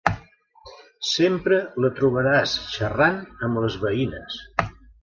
Sempre la trobaràs xerrant amb les veïnes.